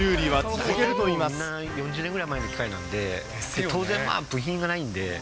大体みんな４０年ぐらい前の機械なんで、当然、部品がないんで。